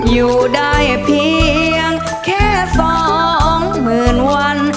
อยู่ได้เพียงแค่สองหมื่นวัน